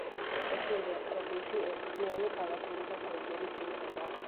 შესულია კრებულში „ერთხმიანი ქალაქური და გუნდური სიმღერა“.